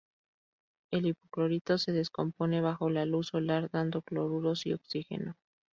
El hipoclorito se descompone bajo la luz solar, dando cloruros y oxígeno.